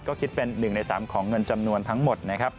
ก็คิดเป็น๑ใน๓ของเงินจำนวนทั้งหมดนะครับ